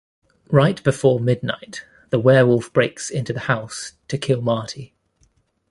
Right before midnight, the werewolf breaks into the house to kill Marty.